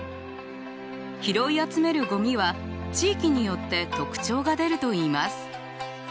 拾い集めるゴミは地域によって特徴が出ると言います。